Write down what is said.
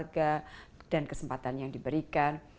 menjaga dan kesempatan yang diberikan